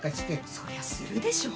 そりゃするでしょ！